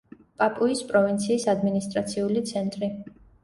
პაპუის პროვინციის ადმინისტრაციული ცენტრი.